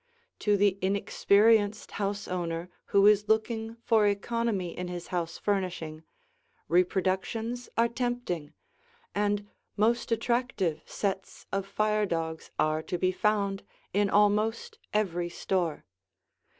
To the inexperienced house owner who is looking for economy in his house furnishing, reproductions are tempting, and most attractive sets of fire dogs are to be found in almost every store.